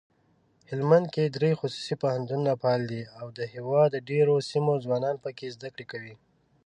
هلمندکې دري خصوصي پوهنتونونه فعال دي اودهیواد دډیروسیمو ځوانان پکښي زده کړه کوي.